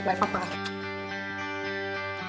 baik pak pak